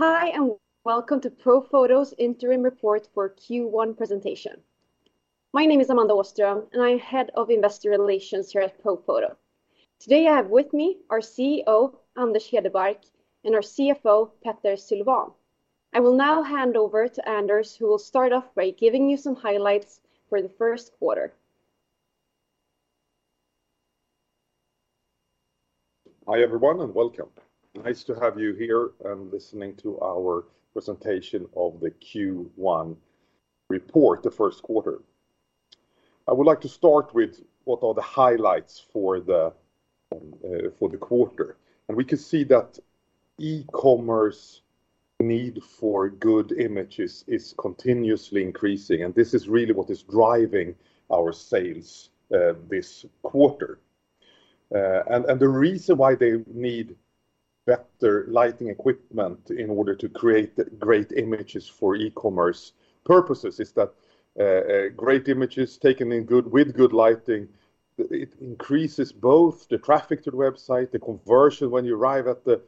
Hi, and welcome to Profoto's Interim Report for Q1 Presentation. My name is Amanda Åström, and I'm Head of Investor Relations here at Profoto. Today, I have with me our CEO, Anders Hedebark, and our CFO, Petter Sylvan. I will now hand over to Anders, who will start off by giving you some highlights for the first quarter. Hi, everyone, and welcome. Nice to have you here and listening to our presentation of the Q1 report, the first quarter. I would like to start with what are the highlights for the quarter. We can see that e-commerce need for good images is continuously increasing, and this is really what is driving our sales this quarter. The reason why they need better lighting equipment in order to create great images for e-commerce purposes is that great images taken with good lighting, it increases both the traffic to the website, the conversion when you arrive at the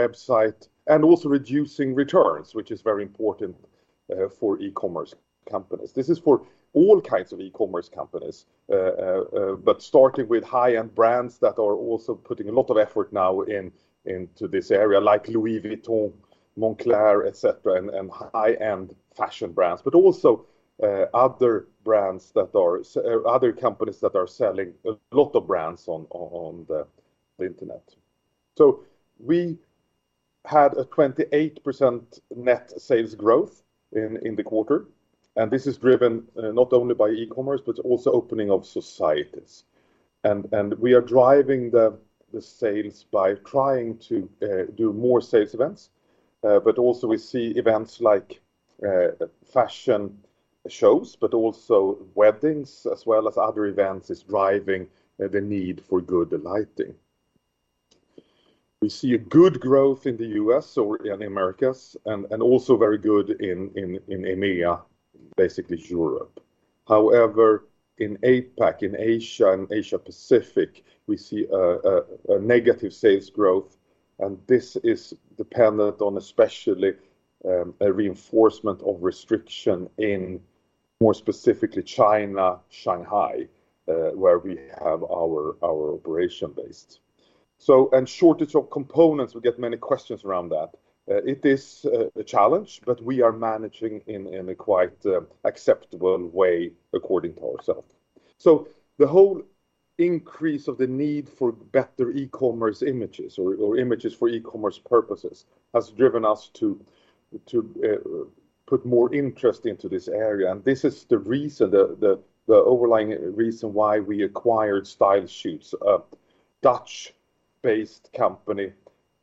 website, and also reducing returns, which is very important for e-commerce companies. This is for all kinds of e-commerce companies but starting with high-end brands that are also putting a lot of effort now into this area like Louis Vuitton, Moncler, et cetera, and high-end fashion brands. Also, other brands that are or other companies that are selling a lot of brands on the internet. We had a 28% net sales growth in the quarter, and this is driven not only by e-commerce, but also opening of societies. We are driving the sales by trying to do more sales events, but also, we see events like fashion shows but also weddings as well as other events is driving the need for good lighting. We see a good growth in the U.S. or in the Americas and also very good in EMEA, basically Europe. However, in APAC, in Asia and Asia-Pacific, we see a negative sales growth, and this is dependent on especially a reinforcement of restriction in more specifically China, Shanghai, where we have our operation based. Shortage of components, we get many questions around that. It is a challenge, but we are managing in a quite acceptable way according to ourselves. The whole increase of the need for better e-commerce images or images for e-commerce purposes has driven us to put more interest into this area, and this is the reason, the overlying reason why we acquired StyleShoots, a Dutch-based company,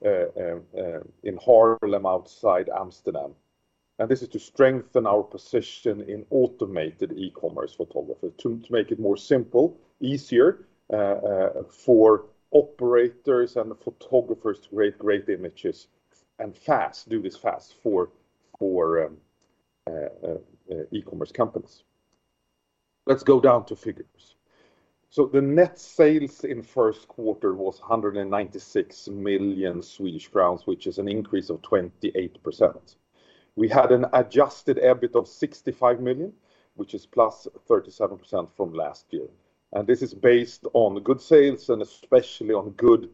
in Haarlem outside Amsterdam. This is to strengthen our position in automated e-commerce photography to make it more simple, easier, for operators and photographers to create great images, and fast, do this fast for e-commerce companies. Let's go down to figures. The net sales in first quarter was 196 million Swedish crowns, which is an increase of 28%. We had an adjusted EBIT of 65 million, which is +37% from last year. This is based on good sales and especially on good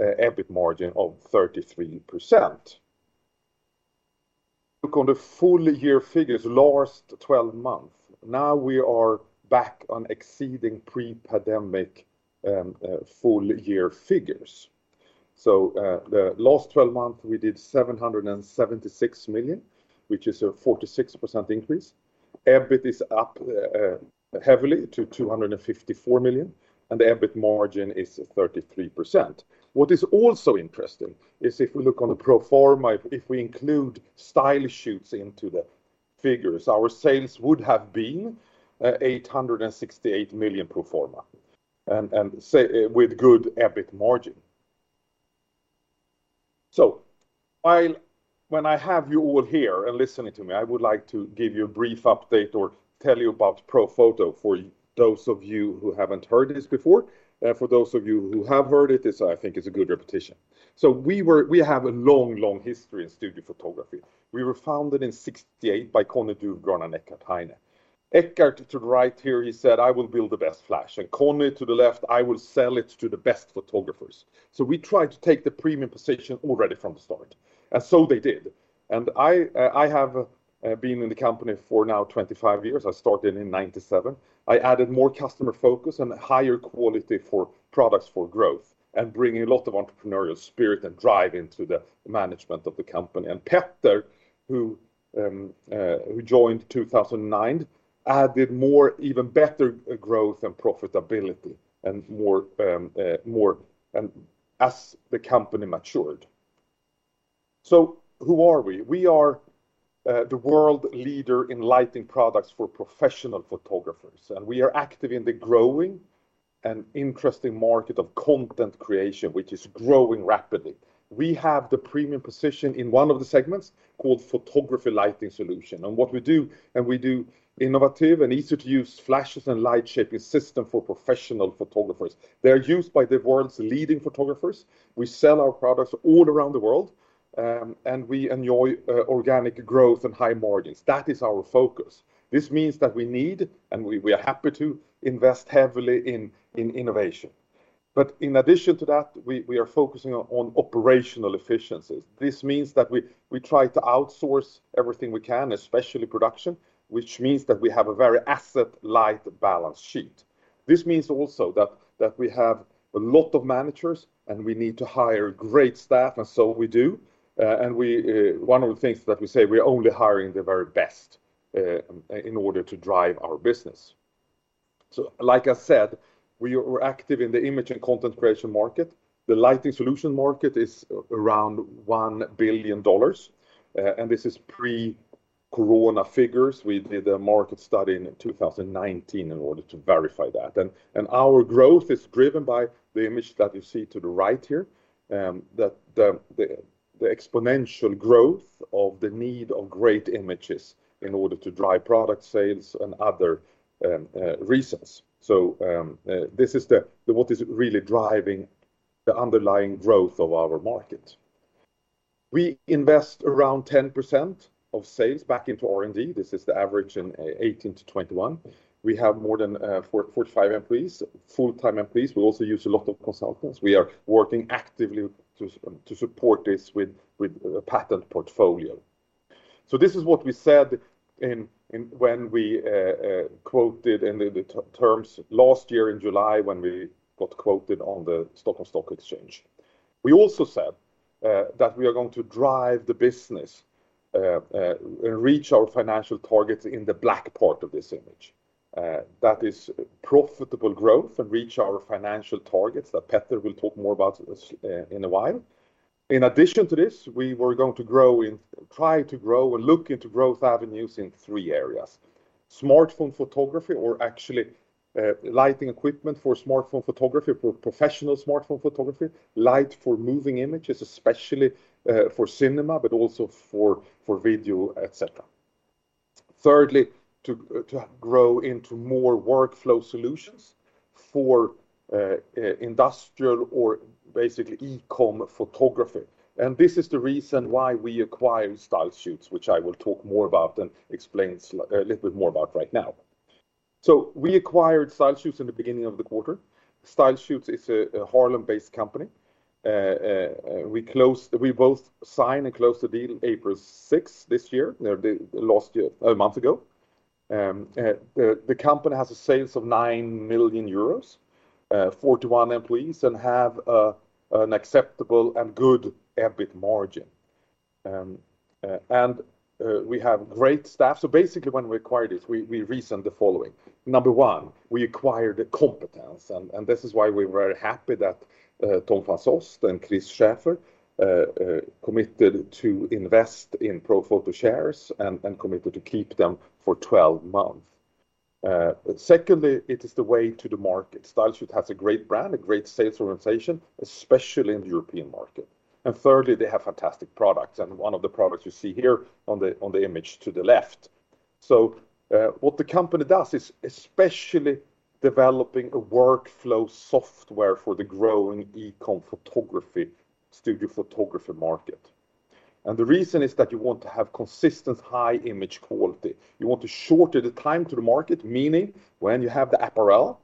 EBIT margin of 33%. Look on the full year figures last twelve months. Now we are back on exceeding pre-pandemic full year figures. The last twelve months, we did 776 million, which is a 46% increase. EBIT is up heavily to 254 million, and the EBIT margin is 33%. What is also interesting is if we look on the pro forma, if we include StyleShoots into the figures, our sales would have been 868 million pro forma and with good EBIT margin. I'll when I have you all here and listening to me, I would like to give you a brief update or tell you about Profoto for those of you who haven't heard this before. For those of you who have heard it, this, I think, is a good repetition. We have a long, long history in studio photography. We were founded in 1968 by Conny Dufgran and Eckhard Heine. Eckhard to the right here, he said, "I will build the best flash," and Conny to the left, "I will sell it to the best photographers." We tried to take the premium position already from the start, and they did. I have been in the company for now 25 years. I started in 1997. I added more customer focus and higher quality for products for growth and bringing a lot of entrepreneurial spirit and drive into the management of the company. Petter, who joined 2009, added more even better growth and profitability and more, and as the company matured. Who are we? We are the world leader in lighting products for professional photographers, and we are active in the growing. An interesting market of content creation, which is growing rapidly. We have the premium position in one of the segments called photography lighting solution, and we do innovative and easy-to-use flashes and light shaping system for professional photographers. They are used by the world's leading photographers. We sell our products all around the world, and we enjoy organic growth and high margins. That is our focus. This means that we are happy to invest heavily in innovation. In addition to that, we are focusing on operational efficiencies. This means that we try to outsource everything we can, especially production, which means that we have a very asset-light balance sheet. This means also that we have a lot of managers, and we need to hire great staff, and so we do. One of the things that we say, we are only hiring the very best in order to drive our business. Like I said, we are active in the image and content creation market. The lighting solution market is around $1 billion, and this is pre-corona figures. We did a market study in 2019 in order to verify that. Our growth is driven by the image that you see to the right here, that the exponential growth of the need of great images in order to drive product sales and other reasons. This is what is really driving the underlying growth of our market. We invest around 10% of sales back into R&D. This is the average in 2018-2021. We have more than 45 full-time employees. We also use a lot of consultants. We are working actively to support this with a patent portfolio. This is what we said when we quoted in the terms last year in July when we got quoted on the Stockholm Stock Exchange. We also said that we are going to drive the business and reach our financial targets in the black part of this image. That is profitable growth and reach our financial targets that Petter will talk more about this in a while. In addition to this, we were going to try to grow or look into growth avenues in three areas. Smartphone photography, or actually, lighting equipment for smartphone photography, for professional smartphone photography, light for moving images, especially, for cinema, but also for video, et cetera. Thirdly, to grow into more workflow solutions for industrial or basically e-com photography. This is the reason why we acquired StyleShoots, which I will talk more about and explain a little bit more about right now. We acquired StyleShoots in the beginning of the quarter. StyleShoots is a Haarlem-based company. We both signed and closed the deal April 6 this year, no, the last year, month ago. The company has sales of 9 million euros, 41 employees, and has an acceptable and good EBIT margin. We have great staff. Basically, when we acquired this, we reasoned the following. Number one, we acquired the competence, and this is why we're very happy that Tom van Soest and Chris Schaefer committed to invest in Profoto shares and committed to keep them for 12 months. Secondly, it is the way to the market. StyleShoots has a great brand, a great sales organization, especially in the European market. Thirdly, they have fantastic products, and one of the products you see here on the image to the left. What the company does is especially developing a workflow software for the growing e-com photography, studio photography market. The reason is that you want to have consistent high image quality. You want to shorten the time to the market, meaning when you have the apparel,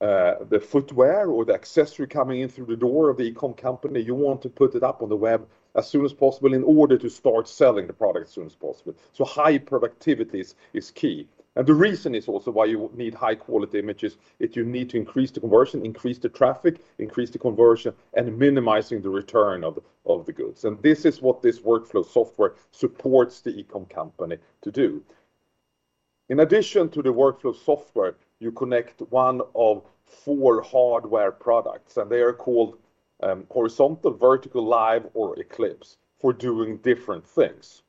the footwear, or the accessory coming in through the door of the e-com company, you want to put it up on the web as soon as possible in order to start selling the product as soon as possible. High productivities is key. The reason is also why you need high quality images. You need to increase the conversion, increase the traffic, increase the conversion, and minimizing the return of the goods. This is what this workflow software supports the e-com company to do. In addition to the workflow software, you connect one of four hardware products, and they are called Horizontal, Vertical, Live, or Eclipse for doing different things.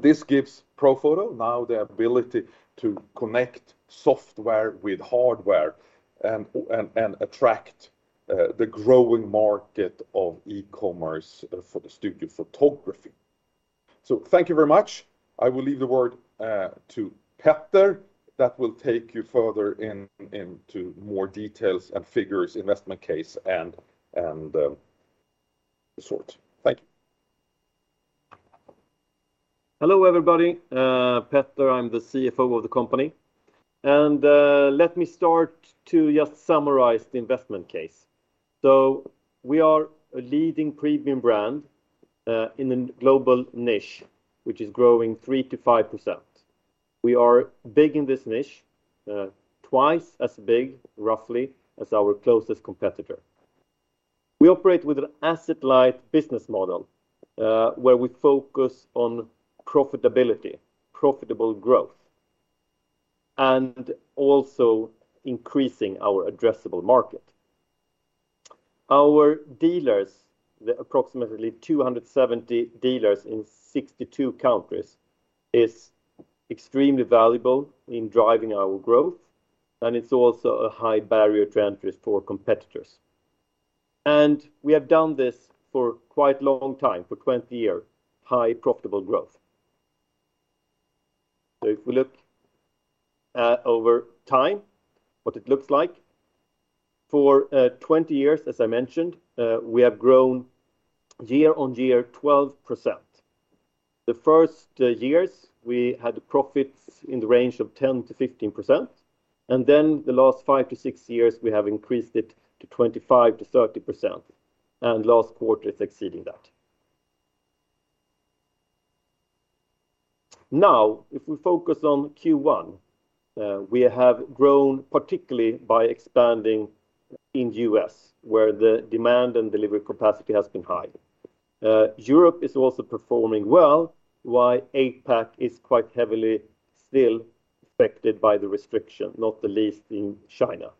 This gives Profoto now the ability to connect software with hardware and attract the growing market of e-commerce for the studio photography. Thank you very much. I will leave the word to Petter, that will take you further into more details and figures, investment case, and sorts. Thank you. Hello, everybody. Petter, I'm the CFO of the company. Let me start to just summarize the investment case. We are a leading premium brand in a global niche, which is growing 3%-5%. We are big in this niche, twice as big, roughly, as our closest competitor. We operate with an asset-light business model, where we focus on profitability, profitable growth, and also increasing our addressable market. Our dealers, the approximately 270 dealers in 62 countries, is extremely valuable in driving our growth, and it's also a high barrier to entry for competitors. We have done this for quite a long time, for 20 years, high profitable growth. If we look over time, what it looks like, for 20 years, as I mentioned, we have grown year-over-year, 12%. The first years, we had profits in the range of 10%-15%, and then the last five-six years, we have increased it to 25%-30%, and last quarter is exceeding that. Now, if we focus on Q1, we have grown particularly by expanding in the U.S., where the demand and delivery capacity has been high. Europe is also performing well, while APAC is quite heavily still affected by the restriction, not the least in China.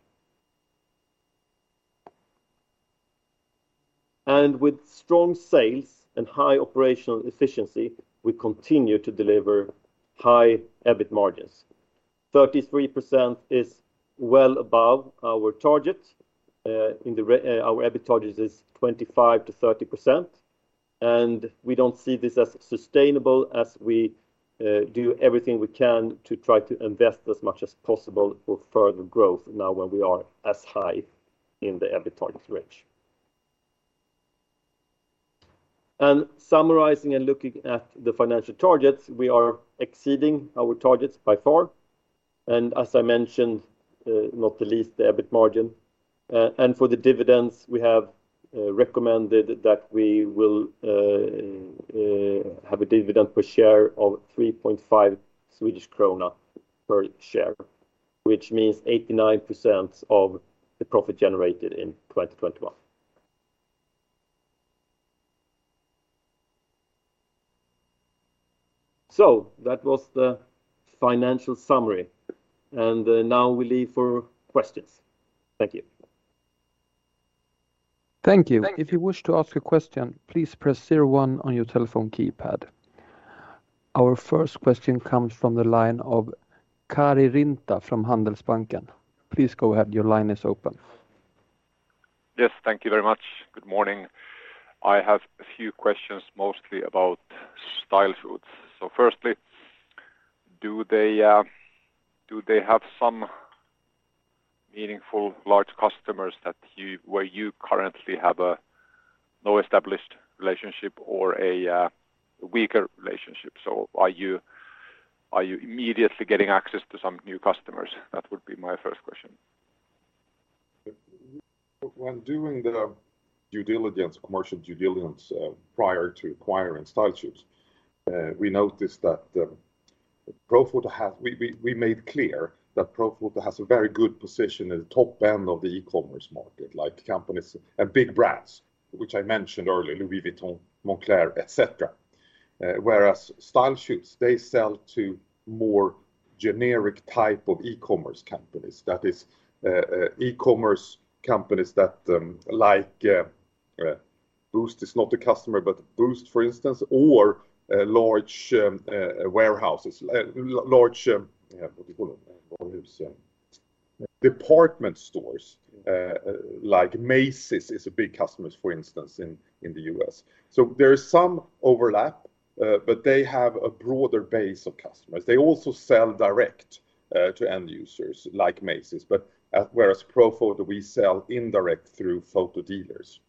With strong sales and high operational efficiency, we continue to deliver high EBIT margins. 33% is well above our target, our EBIT target is 25%-30%, and we don't see this as sustainable as we do everything we can to try to invest as much as possible for further growth now when we are as high in the EBIT target range. Summarizing and looking at the financial targets, we are exceeding our targets by far, and as I mentioned, not the least, the EBIT margin. For the dividends, we have recommended that we will have a dividend per share of 3.5 Swedish krona per share, which means 89% of the profit generated in 2021. That was the financial summary, and now we leave for questions. Thank you. Thank you. Thank you. If you wish to ask a question, please press zero one on your telephone keypad. Our first question comes from the line of Karri Rinta from Handelsbanken. Please go ahead. Your line is open. Yes, thank you very much. Good morning. I have a few questions mostly about StyleShoots. Firstly, do they have some meaningful large customers where you currently have a non-established relationship or a weaker relationship? Are you immediately getting access to some new customers? That would be my first question. When doing the due diligence, commercial due diligence, prior to acquiring StyleShoots, we noticed that we made clear that Profoto has a very good position at the top end of the e-commerce market, like companies and big brands, which I mentioned earlier, Louis Vuitton, Moncler, et cetera. Whereas StyleShoots, they sell to more generic type of e-commerce companies. That is, e-commerce companies that, like, Boozt is not a customer, but Boozt, for instance, or large warehouses, large, yeah, what do you call them? Department stores, like Macy's is a big customer, for instance, in the U.S. There is some overlap, but they have a broader base of customers. They also sell direct to end users like Macy's, whereas Profoto, we sell indirect through photo dealers.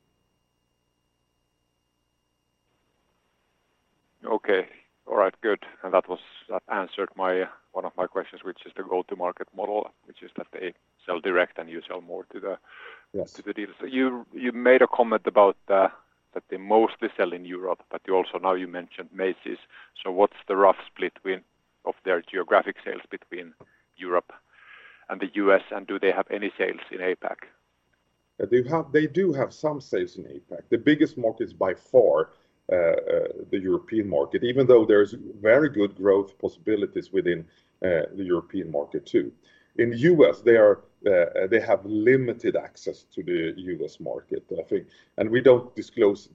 Okay. All right. Good. That answered my, one of my questions, which is the go-to-market model, which is that they sell direct, and you sell more to the. Yes. To the dealers. You made a comment about that they mostly sell in Europe, but you also now mentioned Macy's. What's the rough split of their geographic sales between Europe and the U.S., and do they have any sales in APAC? They do have some sales in APAC. The biggest market is by far the European market, even though there's very good growth possibilities within the European market too. In the U.S., they have limited access to the U.S. market, I think. We don't disclose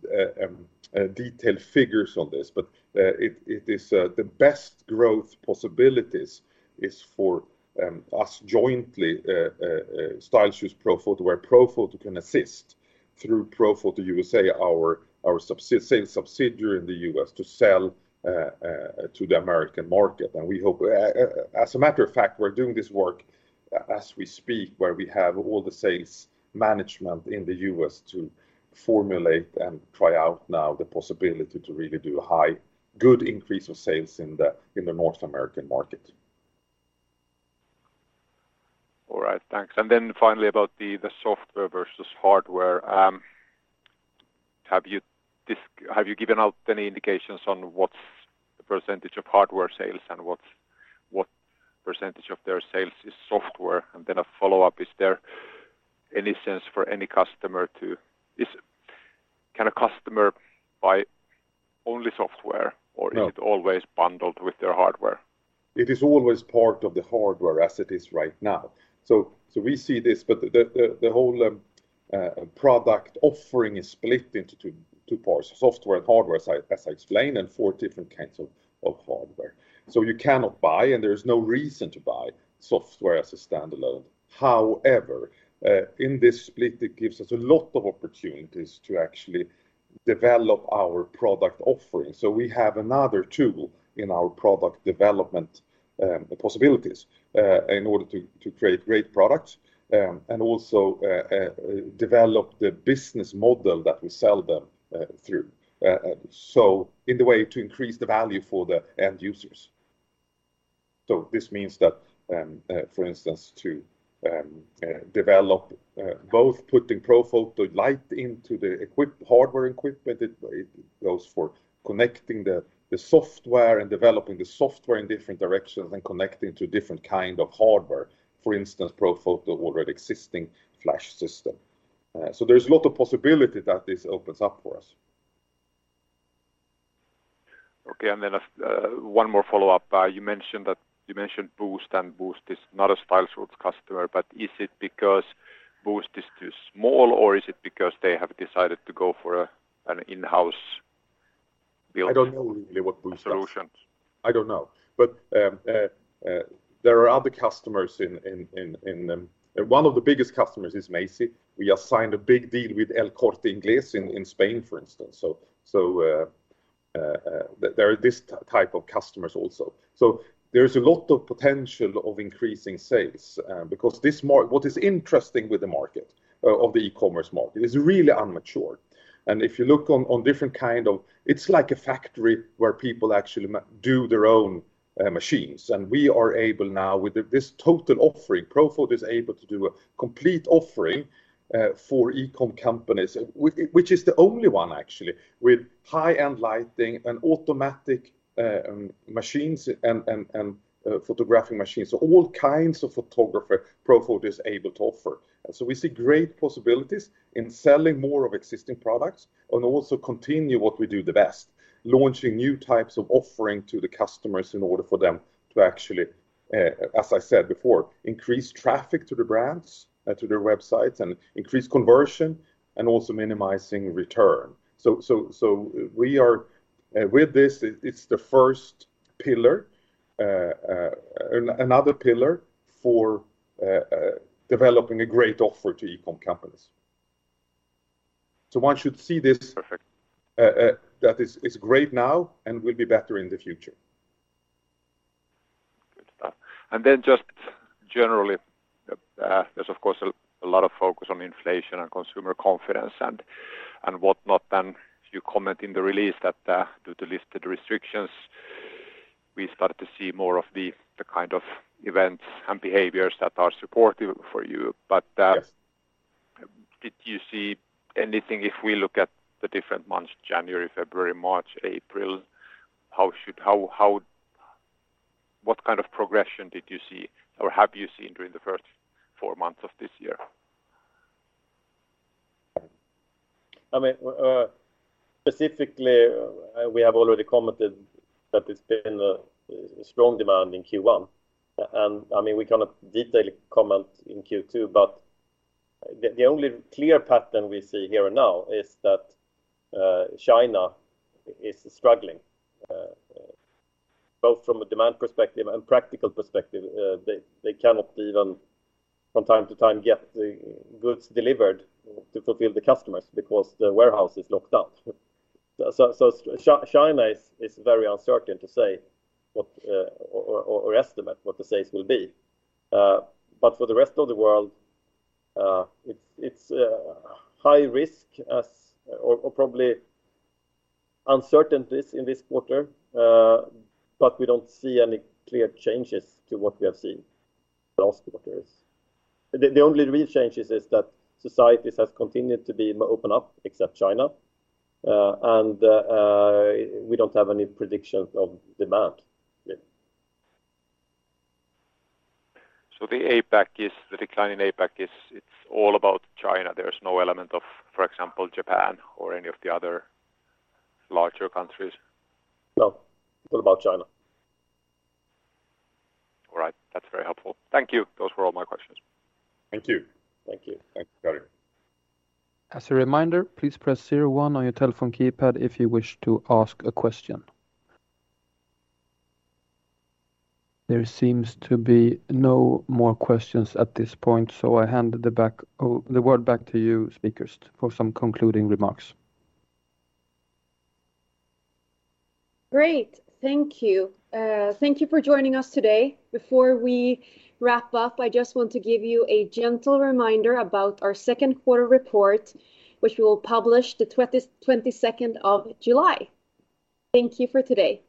detailed figures on this, but it is the best growth possibilities is for us jointly, StyleShoots, Profoto, where Profoto can assist through Profoto U.S.A., our sales subsidiary in the U.S., to sell to the American market. We hope, as a matter of fact, we're doing this work as we speak, where we have all the sales management in the U.S. to formulate and try out now the possibility to really do a high, good increase of sales in the North American market. All right. Thanks. Finally about the software versus hardware. Have you given out any indications on what's the percentage of hardware sales and what percentage of their sales is software? A follow-up, is there any sense for any customer? Can a customer buy only software or. No. Is it always bundled with their hardware? It is always part of the hardware as it is right now. We see this, but the whole product offering is split into two parts, software and hardware, as I explained, and four different kinds of hardware. You cannot buy, and there's no reason to buy software as a standalone. However, in this split, it gives us a lot of opportunities to actually develop our product offering. We have another tool in our product development possibilities, in order to create great products, and also develop the business model that we sell them through in a way to increase the value for the end users. This means that, for instance, to develop both putting Profoto light into the equipment hardware equipment, it goes for connecting the software and developing the software in different directions and connecting to different kind of hardware. For instance, Profoto already existing flash system. There's a lot of possibility that this opens up for us. One more follow-up. You mentioned Boozt, and Boozt is not a StyleShoots customer, but is it because Boozt is too small, or is it because they have decided to go for an in-house build? I don't know really what Boozt does. Solutions? I don't know. There are other customers. One of the biggest customers is Macy's. We just signed a big deal with El Corte Inglés in Spain, for instance. There is this type of customers also. There's a lot of potential of increasing sales, because what is interesting with the market of the e-commerce market, it's really immature. If you look on different kind of. It's like a factory where people actually do their own machines, and we are able now with this total offering, Profoto is able to do a complete offering for e-com companies, which is the only one actually with high-end lighting and automatic machines and photographing machines. All kinds of photographer Profoto is able to offer. We see great possibilities in selling more of existing products and also continue what we do the best, launching new types of offering to the customers in order for them to actually, as I said before, increase traffic to the brands, to their websites and increase conversion and also minimizing return. We are. It's the first pillar, another pillar for developing a great offer to e-com companies. One should see this. Perfect. That is great now and will be better in the future. Good stuff. Just generally, there's of course a lot of focus on inflation and consumer confidence and whatnot. You comment in the release that due to listed restrictions, we started to see more of the kind of events and behaviors that are supportive for you. Yes. Did you see anything if we look at the different months, January, February, March, April? What kind of progression did you see or have you seen during the first four months of this year? I mean, specifically, we have already commented that it's been a strong demand in Q1. I mean, we cannot comment in detail in Q2, but the only clear pattern we see here and now is that China is struggling both from a demand perspective and practical perspective. They cannot even from time to time get the goods delivered to fulfill the customers because the warehouse is locked up. China is very uncertain to say what or estimate what the sales will be. But for the rest of the world, it's high risk or probably uncertainties in this quarter. But we don't see any clear changes to what we have seen the past quarters. The only real changes is that societies have continued to open up except China. We don't have any predictions of demand yet. The decline in APAC is all about China. There's no element of, for example, Japan or any of the other larger countries? No. It's all about China. All right. That's very helpful. Thank you. Those were all my questions. Thank you. Thank you. Thanks, Karri Rinta. As a reminder, please press zero one on your telephone keypad if you wish to ask a question. There seems to be no more questions at this point, so I hand the word back to you speakers for some concluding remarks. Great. Thank you. Thank you for joining us today. Before we wrap up, I just want to give you a gentle reminder about our second quarter report, which we will publish the 22nd of July. Thank you for today.